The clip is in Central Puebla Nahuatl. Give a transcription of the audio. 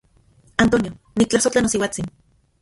Antonio, niktlasojtla nosiuatsin.